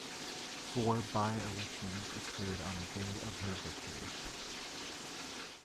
Four by-elections occurred on the day of her victory.